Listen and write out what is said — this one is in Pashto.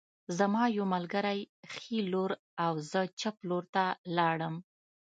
زما یو ملګری ښي لور او زه چپ لور ته لاړم